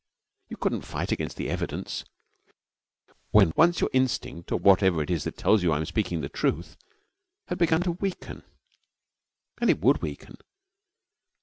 You couldn't fight against the evidence, when once your instinct or whatever it is that tells you that I am speaking the truth had begun to weaken. And it would weaken.